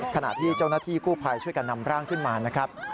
ขณะที่เจ้าหน้าที่กู้ภัยช่วยกันนำร่างขึ้นมานะครับ